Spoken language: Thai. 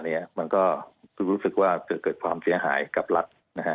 เราก็จะรู้สึกว่าเกิดความเสียหายกับรัฐ